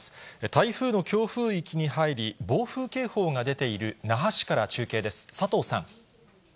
台風の強風域に入り、暴風警報が出ている那覇市から中継です、佐藤さん。